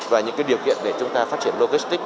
và những điều kiện để chúng ta phát triển logistics